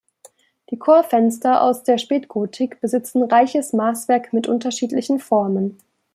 Die Chorfenster aus der Spätgotik besitzen reiches Maßwerk mit unterschiedlichen Formen.